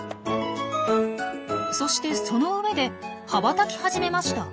そしてその上で羽ばたき始めました。